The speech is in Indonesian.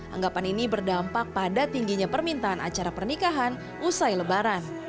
anggapan ini berdampak pada tingginya permintaan acara pernikahan usai lebaran